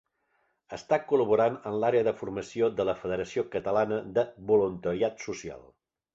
Està col·laborant en l'àrea de formació a la Federació Catalana de Voluntariat Social.